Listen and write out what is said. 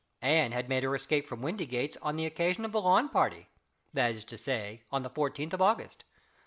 Anne had made her escape from Windygates on the occasion of the lawn party that is to say, on the fourteenth of August.